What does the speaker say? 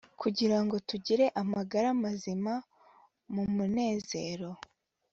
kugira ngo tugire amagara mazima numunezero